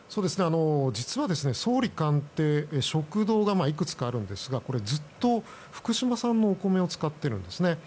実は総理官邸には食堂がいくつかあるんですがずっと福島産のお米を使っているんですね。